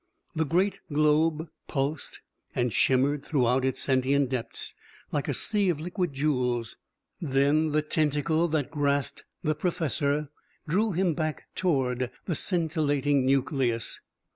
The great globe pulsed and shimmered throughout its sentient depths like a sea of liquid jewels. Then the tentacle that grasped the professor drew him back toward the scintillating nucleus.